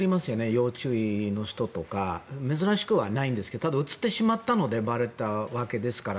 要注意の人とか珍しくはないんですけどただ、映ってしまったのでばれたわけですから。